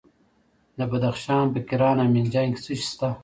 د بدخشان په کران او منجان کې څه شی شته؟